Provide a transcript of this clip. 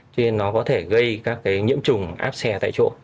cho nên nó có thể gây các cái nhiễm trùng áp xe tại chỗ